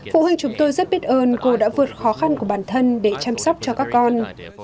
phụ huynh chúng tôi rất biết ơn cô đã vượt khó khăn của bản thân để chăm sóc cho các con